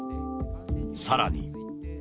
さらに。